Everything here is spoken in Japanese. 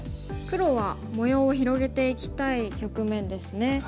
黒は模様を広げていきたい局面ですね。